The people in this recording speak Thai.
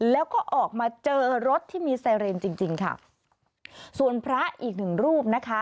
แล้วก็ออกมาเจอรถที่มีไซเรนจริงจริงค่ะส่วนพระอีกหนึ่งรูปนะคะ